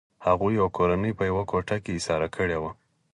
هغوی یوه کورنۍ په یوه کوټه کې ایساره کړې وه